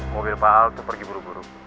mobil pak al tuh pergi buru buru